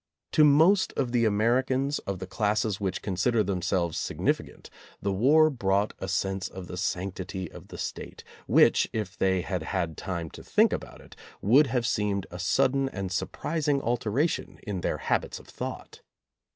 To most of the Americans of the classes which consider themselves significant the war brought a sense of the sanctity of the State, which, if they had had time to think about it, would have seemed a sudden and surprising alteration in their habits of thought.